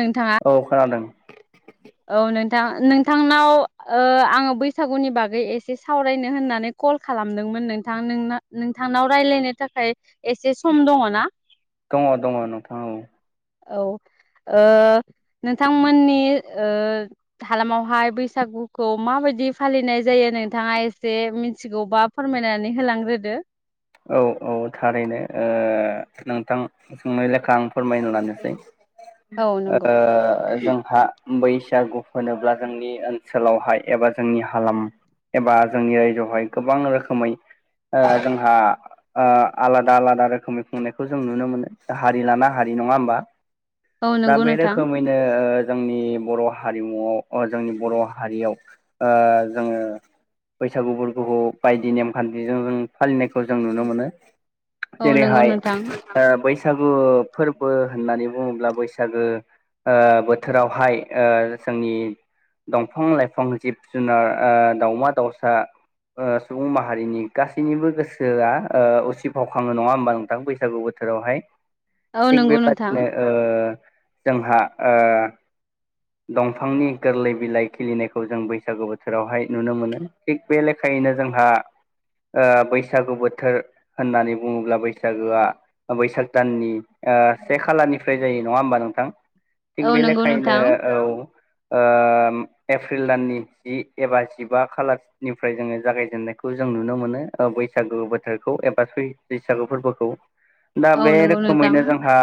नोंथाङा औ खोनादों। औ नोंथां नोंथांनाव आङो बैसागुनि बागै एसे सावरायनो होननानै कल खालामदोंमोन नोंथां नोंनाव नोंथांनाव रायज्लायनो थाखाय एसे सम दङ ना? दङ दङ नोंथां औ औ ओ नोंथांमोननि हालामावहाय ओ बैसागुखौ माबायदि दि फालिनाय जायो नोंथाङा एसे मिथिगौबा फोरमायनानै होलांग्रोदो? औ औ थारैनो ओ नोंथां सोंनाय लेखा आं फोरमायनो लानोसै औ नंगौ ओ जोंहा बैसागु होनोब्ला जोंनि ओनसोलावहाय एबा जोंनि हालाम एबा जोंनि रायजोआवहाय गोबां रोखोमै जोंहा। आलादा आलादा रोखोमनि खुंनायखौ जों नुनो मोनो हारि लाना हारि नङा होमबा औ दा नंगौ बे नोंथां रोखोमैनो जोंनि बर' हारिमुआव जोंनि बर' हारियाव जोङो बैसागु फोरगखौ बायदि नेम खान्थिजों जों फालिनाय जों नुनो मोनो औ नंगौ जेरैहाय नोंथां बै बैसागु फोरबो होननानै बुङोब्ला बैसागो बोथोरावहाय जोंनि दंफां लाइफां जिब जुनार दाउमा दाउसा सुबुं माहारिनि गासैनिबो गोसो बोसोरआ असि फावखाङो नङा होमबा नोंथां बैसागु बोथोरावहाय औ थिग नंगौ नोंथां बेबादिनो जोंहा दंफांनि गोरलै बिलाइ खिलिनायखौ जों बैसागु बोथोरावहाय नुनो मोनो थिग बे लेखायैनो बिदिनो जोंहा बैसागु बोथोर होननानै बुङोब्ला बैसागोआ बैसाग दाननि से खालारनिफ्राय जायो नङा होमबा नोंथां औ थिग बे लेखायैनो औ आ एप्रिल दाननि जि एबा जिबा खालारनिफ्राय जोङो जागायजेननायखौ जों नुनो मोनो बैसागु बोथोरखौ एबा बैसागु फोरबोखौ दा बे नंगौ रोखोमैनो नोंथां जोंहा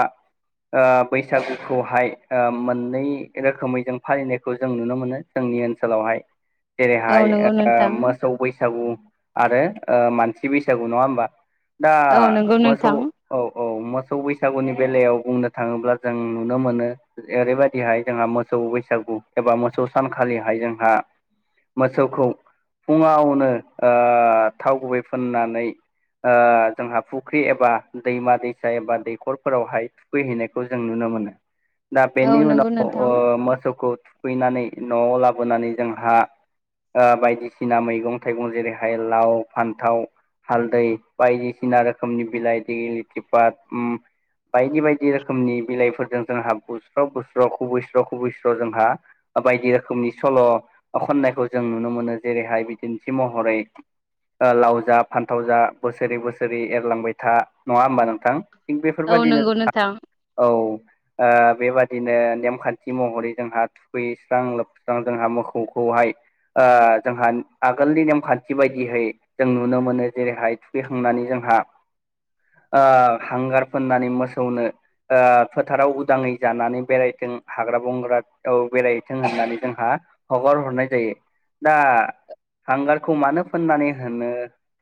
बैसागुखौहाय मोननै रोखोमै जों फालिनायखौ जों नुनो मोनो जोंनि ओनसोलावहाय औ नंगौ जेरैहाय नोंथां मोसौ बैसागु आरो मानसि बैसागु नङा होमबा दा औ नंगौ नोंथां औ नंगौ मोसौ नोंथां औ औ मोसौ बैसागुनि बेलायाव बुंनो थाङोब्ला जों नुनो मोनो ओरैबायदिहाय जोंहा मोसौ बैसागु एबा मोसौ सानखालिहाय जोंहा मोसौखौ फुङावनो थाव गुबै फुननानै जोंहा फुख्रि एबा दैमा दैसा एबा दैखरफोरावहाय थुखैहैनायखौ जों नुनो मोन मोनो दा औ बेनि नंगौ उनाव नोंथां। मोसौखौ थुखैनानै न'आव लाबोनानै जोंहा बायदिसिना मैगं थाइगं जेरैहाय लाव फान्थाव हालदै बायदिसिना रोखोमनि बिलाइ लिगलिथि फात उ बायदि बायदि रोखोमनि बिलाइफोरजों जोंहा बुस्राव बुस्र जोंहा बायदि रोखोमनि सल' खननायखौ जों नुनो मोनो जेर रैहाय बिदिन्थि महरै लाव जा फान्थाव जा बोसोरै बोसोरै एरलांबाय था नङा होमबा नोंथां थिग औ बेफोरबायदिनो नंगौ नोंथां औ बेबादि बिदिनो नेमखान्थि महरै जोंहा थुखैस्रां लोबस्रां जोंहा मोसौखौहाय जोंहा आगोलनि नेमखान्थि बायदियै जों नुनो मोनो जेरैहाय थुखैखांनानै जों हा हांगार फोननानै मोसौनो फोथाराव उदाङै जानानै बेरायथों हाग्रा बंग्रा औ बेरायथों होननानै जोंहा हगार हरनाय जायो दा हांगारखौ मानो फोननानै होनो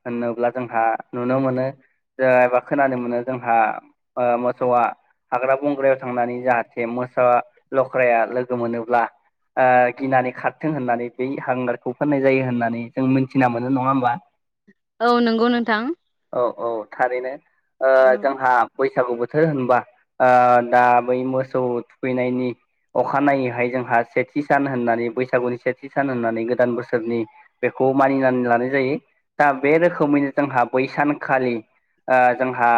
होनोब्ला जोंहा नुनो मोनो खोनानो मोनो जोंहा मोसौआ हाग्रा बंग्रायाव थांनानै जाहा मोसा लख्राया लोगो मोनोब्ला गिनानै खारथों होननानै बै हांगारखौ फोननाय जायो होननानै जों मिथिना मोनो नङा होमबा औ नंगौ नोंथां औ औ थारैनो जोंहा बैसागु बोथोर होनबा दा बै मोस मोसौ थुखैनायनि अखानायैहाय जोंहा सेथि सान होननानै बैसागुनि सेथि सान होननानै गोदान बोसोरनि बेखौ मानिनानै लानाय जायो दा बे रोखोमैनो जोंहा बै सानखालि जोंहा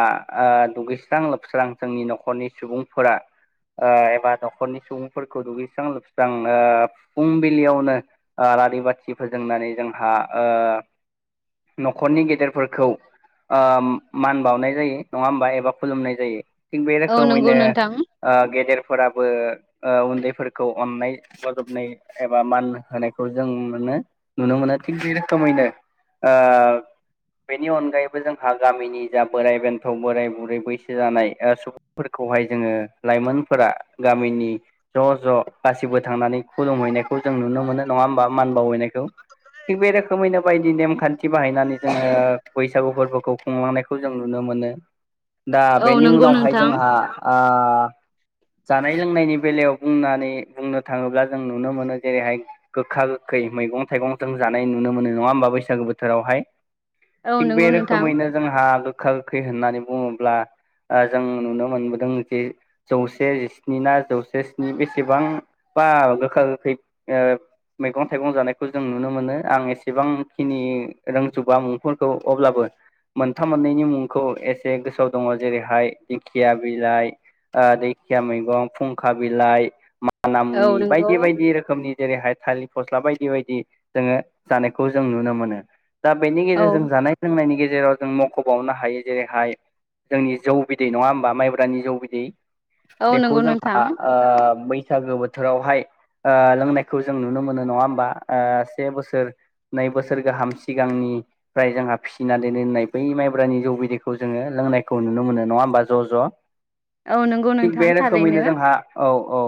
दुगैस्रां लोबस्रां जोंनि न'खरनि सुबुंफोरा एबा न'खरनि सुबुंफोरखौ दुगैस्रां लोबस्रां फुंबिलियावनो आलारि बाथि फोजोंनानै जोंहा न'खरनि गेदेरफोरखौ मान बावनाय जायो नङा होमबा एबा खुलुमनाय जायो थिग बे औ नंगौ रोखोमैनो नोंथां फोराबो उन्दैफोरखौ अननाय बजबनाय एबा मान होनायखौ जों नुनो मोनो थिग बे रोखोमैनो बेनि अनगायैबो जोंहा गामिनि जा बोराय बेन्थ' बोराय बुरै बैसो जानाय सुबुंफोरखौ खौहाय जोङो लाइमोन फोरा गामिनि ज' ज' गासिबो थांनानै खुलुमहैनायखौ जों नुनो मोनो नङा होमबा मान बावयैनायखौ थिग बे रोखोमैनो बायदि नेमखान्थि बाहायनानै जोङो बैसागु फोरबोखौ खुंलांनायखौ जों नुनो मोनो। दा औ बेनि नंगौ उनावहाय नोंथां जोंहा आ जानाय लोंनायनि बेलायाव बुंनानै बुंनो थाङोब्ला जों नुनो मोनो जेरैहाय गोखा गोखै मैगं थाइगं जों जानाय नुनो मोनो नङा होमबा बैसागो बोथोरावहाय औ थिग बे नंगौ नोंथां रोखोमैनो जोंहा गोखा गोखै होननानै बुङोब्ला जों नुनो मोनबोदों जे जौ से जिस्नि ना जौसे स्नि बेसेबां बा गोखा गोखै मैगं थाइगं जानायखौ जों नुनो मोनो आं एसेबांखिनि रोंजोबा मुंफोरखौ अब्लाबो मोनथाम मोननैनि मुंखौ एसे गोसोआव दङ' जेरैहाय दिंखिया बिलाइ ओ दै खिया मैगं फुंखा बिलाइ माना औ मुनि नंगौ बायदि बायदि रोखोमनि जेरैहाय थालिर फस्ला बायदि बायदि जोङो जानायखौ जों नुनो मोनो दा बेनि औ गेजेरजों जानाय-लोंनायनि गेजे जेराव जों मख'बावनो हायो जेरैहाय जोंनि जौ बिदै नङा होमबा माइब्रानि जौ बिदै औ बेखौ नंगौ नोंथां जोंहा ओ बै बैसागो बोथोरावहाय ओ लोंनायखौ जों नुनो मोनो नङा होमबा ओ से बोसोर नै बोसोर गाहाम सिगांनिफ्राय जोंहा फिसिनानै दोनो होननाय बै माइब्रानि जौ बिदैखौ जोङो लोंनाय खौ नुनो मोनो नङा होमबा ज' ज' औ नों थिग बे रोखोमैनो जोंहा औ औ ओ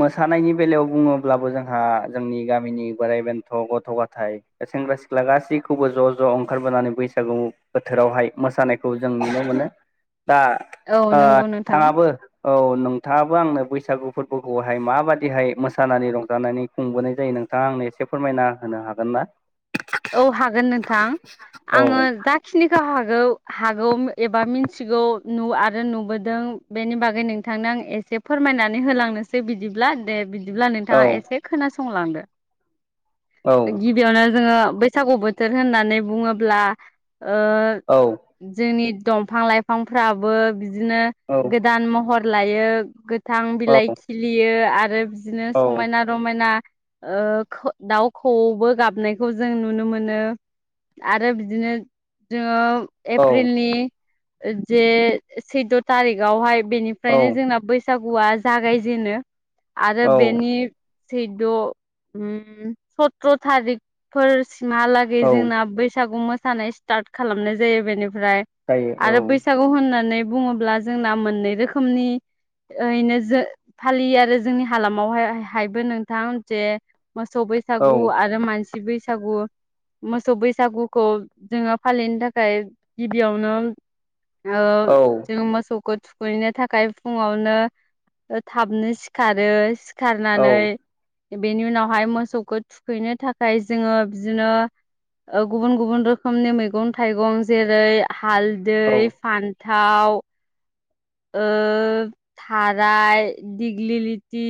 मोसानायनि बेलायाव बुङोब्लाबो जोंहा जोंनि गामिनि बोराइ बेन्थ' गथ' गथाय सेंग्रा सिख्ला गासैखौबो ज' ज' ओंखारबोनानै बैसागु बोथोरावहाय मोसानायखौ जों नुनो मोनो दा औ ओ नंगौ नोंथां थाङाबो औ नों थाङाबो आंनो बैसागु फोरबोखौहाय माबादिहाय मोसानानै रंजानानै खुंबोनाय जायो नोंथाङा आंनि एसे फोरमायना होनो हागोन ना? औ हागोन नोंथां औ आङो जाखिनिखौ हागोन गौ हागौ एबा मिनथिगौ नु आरो नुबोदों बेनि बागै नोंथांनो आं ए से फोरमायनानै होलांनोसै बिदिब्ला दे बिदि बिदिब्ला औ नोंथाङा एसे खोनासंलांदो औ गिबियावनो जोङो बैसागु बोथोर होननानै बुङोब्ला ओ औ जोंनि दंफां-लाइफांफ्राबो बिदिनो औ गोदान महर लायो गो थां औ बिलाइ खिलियो आरो बिदिनो समायना-रमायना ओ खौ दाउ खौऔबो गाबनायखौ जों नुनो मोनो आरो बिदिनो जोङो औ एप्रिलनि जे सैद' थारिखआवहाय बेनिफ्रायनो औ जोंना बै सागुआ जागायजेनो आरो औ बेनि सैद' ओम सत्र' थारिखफोर सिमहालागै औ जोंना बैसागु मोसानाय स्टार्ट खालामनाय जायो बेनि फ्राय जायो आरो औ बैसागु होननानै बुङोब्ला जोंना मोननै रोखोमनि ओरैनो जों फालियो आरो जोंनि हालामावहाय हायबो नोंथां जे मोसौ बैसागु औ आरो मानसि बैसागु मोसौ बैसागुखौ जोङो फालिनो थाखाय गिबियावनो ओ औ जोङो मोसौखो थु खैनो थाखाय फुङावनो ओ थाबनो सिखारो। सिखारनानै औ बेनि उनावहाय मोसौखौ थुखैनो था खाय जोङो बिदिनो ओ गुबुन गुबुन रोखोमनि मैगं-थाइगं जेरै हालदै औ फान्थाव ओ थाराय दिग्लिलिथि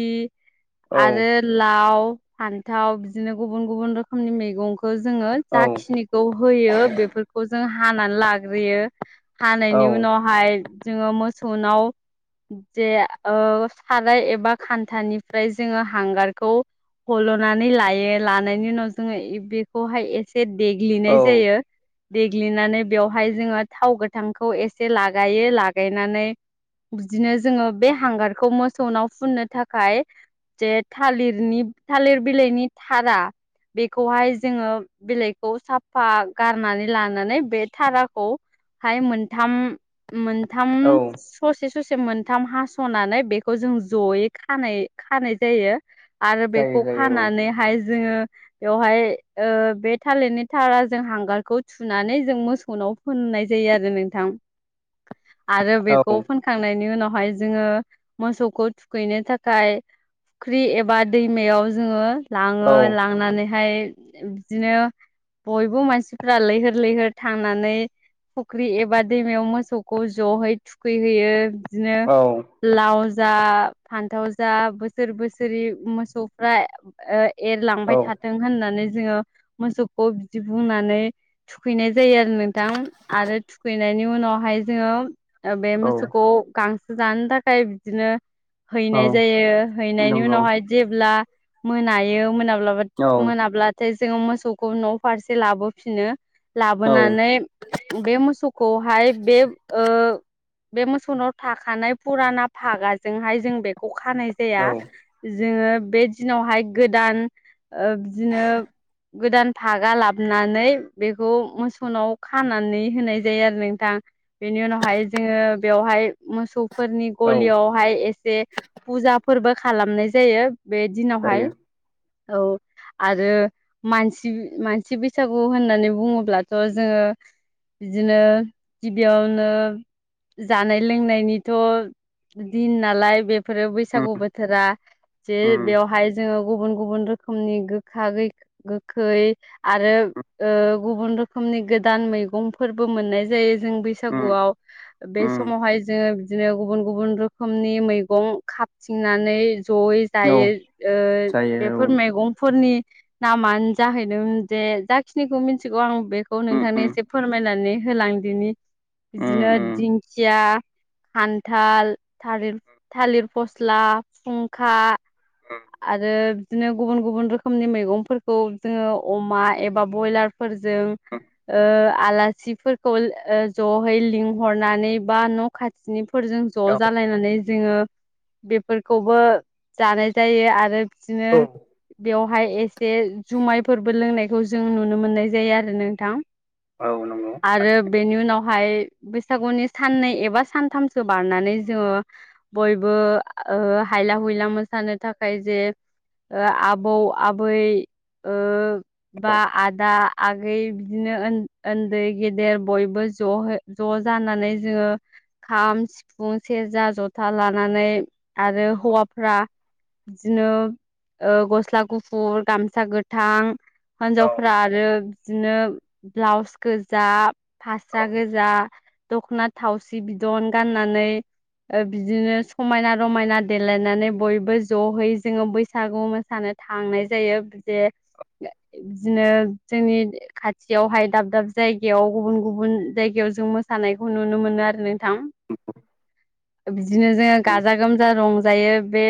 औ आरो लाव फान्थाव बिदिनो गुबुन गुबुन रोखोमनि मैगं खौ जोङो औ जाखिनिखौ होयो बेफोरखौ जों हानानै लाग्रोयो हानायनि औ उनावहाय जोङो मोसौनाव जे ओ साराय एबा खान्थानिफ्राय जोङो हांगारखौ हल'नानै लायो लानायनि उनाव जोङो बेखौहाय एसे औ देग्लिनाय जायो। देग्लिनानै बेवहाय जोङो थाव गोथांखौ एसे लागायो लागायनानै बिदिनो जोङो बे हांगारखौ मोसौनाव फुननो थाखाय जे थालिरनि थालिर बिलाइनि थारा बेखौहाय जोङो बिलाइखौ साफा गारनानै लानानै बे थाराखौ हाय मोनथाम मोनथाम औ स'से ससे मोनथाम हास'नानै बेखौ जों जयै खानाय खानाय जायो। आरो जायो बेखौ जायो खानानैहाय जोङो बेवहाय ओ बे थालिरनि थारा जों हांगारखौ थुनानै जों मोसौनाव फुन नाय जायो आरो नोंथां आरो औ बेखौ फुनखांनायनि उनाव हाय जोङो मोसौखौ थुखैनो थाखाय फुख्रि एबा दैमायाव जोङो लाङो औ लांनानैहाय बिदिनो बयबो मानसिफ्रा लैहोर लैहोर थांनानै फुख्रि एबा दैमायाव मोसौखौ जयै थुखैहोयो बिदिनो औ लाव जा फान्थाव जा बोसोर बोसोरै मोसौफ्रा एरलांबाय औ थाथों होननानै जोङो मोसौखौ बिदि बुंनानै थुखैनाय जायो आरो नोंथां आरो थुखैनायनि उनावहाय जोङो बे औ मोसौखौ गां जानो थाखाय बिदिनो औ हैनाय जायो हैनायनि नंगौ उनावहाय जेब्ला मोनायो मोनाब्ला औ मोनाब्लाथाय जोङो मोसौखौ न' फारसे लाबोफिनो औ लाबोनानै बे मोसौखौहाय बे ओ बे मोसौनाव थाखानाय फुराना भागाजोंहाय जों बेखौ खानाय जाया औ जोङो बे दिनावहाय गोदान ओ बिदिनो गोदान फागा लाबनानै बेखौ मोसौनाव खानानै होनाय जायो आरो नोंथां। बेनि उनावहाय जोङो बेवहाय मोसौफोरनि औ गलियावहाय एसे फुजा फोरबो खालामनाय जायो बे दिनावहाय जायो औ आरो मानसि मानसि बैसागु होननानै बुङोब्लाथ' जोङो बिदिनो गिबियावनो जानाय लोंनायनिथ' दिन नालाय बे फोरो उम बैसागु बोथोरा जे उम बेवहाय जोङो गुबुन गुबुन रोखोमनि गोखा गोखै आरो गुबुन रोखोमनि गोदान मैगंफोरबो मोननाय जायो जों उम बैसागुआव बे उम समावहाय जोङो बिदिनो गुबुन गुबुन रोखोमनि मैगं खाबथिंनानै जयै औ जायो जायो औ बेफोर मैगंफोरनि नामानो जाहैदोंमोन जे जाखिनिखौ मिथिगौ आं बेखौ उम नोंथांनो उम एसे फोरमायनानै होलांदिनि उम बिदिनो उम दिंखिया खान्थाल थालिर थालिर फस्ला फुंखा आरो बिदिनो गुबुन गुबुन रोखोमनि मैगंफोरखौ जोङो अमा एबा बयलार फोरजों ओ आलासिफोरखौ जयै लिंहरनानै बा न' खाथिनि फोरजों ज' औ जालायनानै जोङो बेफोरखौबो जानाय जायो आरो बिदिनो औ बेवहाय एसे जुमाय फोरबो लोंनायखौ जों नुनो मोननाय जायो आरो नोंथां औ नंगौ आरो थारैनो बेनि उनावहाय बैसागुनि साननै एबा सानथामसो बारनानै जोङो बयबो ओ हायला हुइला मोसानो थाखाय जे आबौ आबै ओ बा औ आदा आगै बिदिनो उन्दै गेदेर बयबो ज' ज' जानानै जोङो खाम सिफुं सेरजा जथा लानानै आरो हौवाफ्रा बिदिनो गस्ला गुफुर गामसा गोथां औ हिनजावफोरा आरो बिदिनो ब्लाउस गोजा औ फास्रा गोजा दख'ना थावसि बिदन गाननानै बिदिनो समायना रमायना देलायनानै बयबो जहै जोङो बैसागु मोसानो थांनाय जायो बि जे बिदिनो जोंनि खाथियावहाय दाब दाब जायगायाव गुबुन गुबुन जायगायाव जों मोसानायखौ नुनो मोनो आरो नों थां बिदिनो जोङो गाजा गोमजा रंजायो बे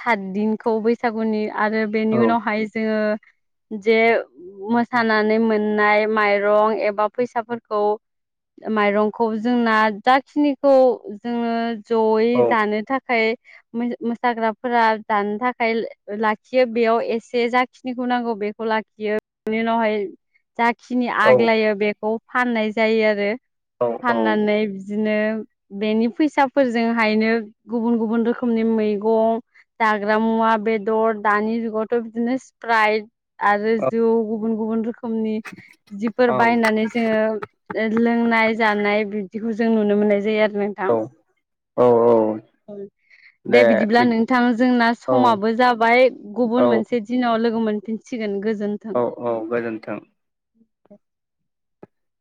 सात दिनखौ बैसागुनि आरो बेनि उनावहाय जोङो जे मोसानानै मोननाय माइरं एबा फैसाफोरखौ माइरंखौ जोंना जाखिनिखौ जोङो जयै जानो थाखाय मोसाग्रा फोरा जानो थाखाय लाखियो बेयाव एसे जाखिनिखौ नांगौ बेखौ लाखियो बेनि उनावहाय जाखिनि औ आग्लायो बेखौ फाननाय जायो आरो औ फाननानै बिदिनो बेनि फैसाफोरजोंहायनो गुबुन गुबुन रोखोमनि मैगं जाग्रा मुवा बेदर दानि जुगावथ' बिदिनो सिप्राइट आरो जौ गुबुन गुबुन रोखोम खोमनि इदिफोर बायनानै जोङो लोंनाय जानाय बिबदिखौ जों नुनो मोननाय जायो आरो नोंथां औ दे बिदिब्ला नों थां जोंना औ समाबो जाबाय गुबुन औ मोनसे दिनाव लोगो मोनफिनसिगोन गो औ औ गोजोनथों [inaudible]